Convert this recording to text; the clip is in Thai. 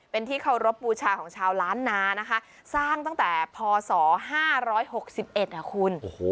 เป็นที่เคารพบูชาของชาวล้านนานะคะสร้างตั้งแต่พศ๕๖๑นะคุณ